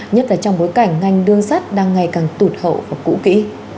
nhất là trong bối cảnh ngành đường sắt đang ngày càng tụt hậu và cũ kỹ